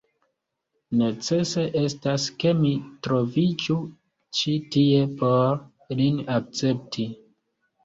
Necese estas, ke mi troviĝu ĉi tie por lin akcepti.